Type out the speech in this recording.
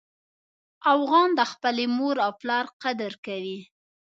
افغان د خپلې مور او پلار قدر کوي.